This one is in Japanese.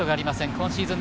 今シーズン